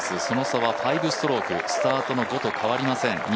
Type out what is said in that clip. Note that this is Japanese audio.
その差は５ストロークスタートの５と変わりません